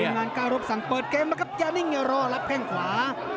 กลุ่มงานก้าวรบสั่งเปิดเกมมาครับจานิ่งเหล่ารับแห้งขวา